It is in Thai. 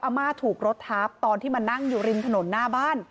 ม่าถูกรถทับตอนที่มานั่งอยู่ริมถนนหน้าบ้าน